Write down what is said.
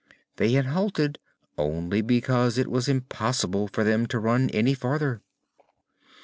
They had halted only because it was impossible for them to run any farther.